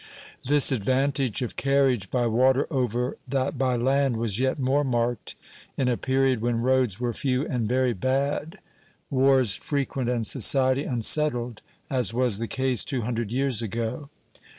This advantage of carriage by water over that by land was yet more marked in a period when roads were few and very bad, wars frequent and society unsettled, as was the case two hundred years ago.